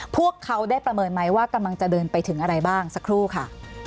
พวกเขาได้ประเมินไหมว่ากำลังจะเดินไปถึงอะไรบ้างสักครู่ค่ะ